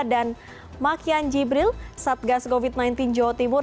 dan makyan jibril satgas covid sembilan belas jawa timur